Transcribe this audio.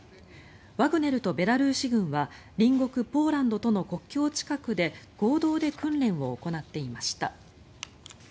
ワグネルとベラルーシ軍は隣国ポーランドとの国境近くで合同で訓練を行っていました。